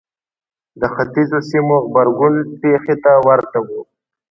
د ختیځو سیمو غبرګون پېښې ته ورته و.